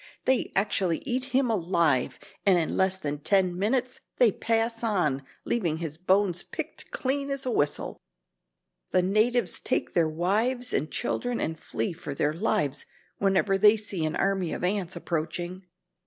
They actually eat him alive, and in less than ten minutes they pass on leaving his bones picked clean as a whistle. The natives take their wives and children and flee for their lives whenever they see an army of ants approaching."